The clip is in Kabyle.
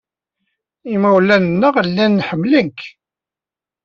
Imawlan-nneɣ llan ḥemmlen-k.